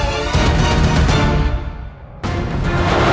aku akan mencari dia